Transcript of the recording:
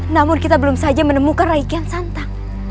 namun kita belum saja menemukan rai kian santang